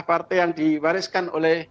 partai yang diwariskan oleh